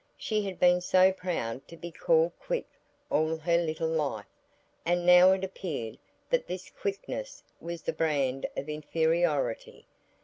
She had been so proud to be called "quick" all her little life, and now it appeared that this quickness was the brand of inferiority.